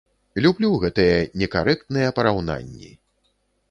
Люблю гэтыя некарэктныя параўнанні!